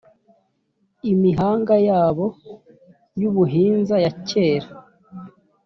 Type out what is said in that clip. imihanga yabo y’ubuhinza ya cyera